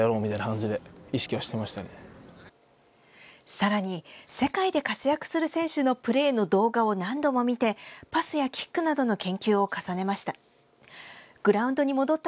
さらに、世界で活躍する選手のプレーの動画を何度も見てパスやキックなどの研究を重ねました。